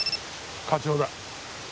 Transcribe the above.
課長だ。